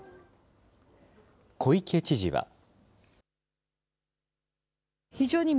小池知事は。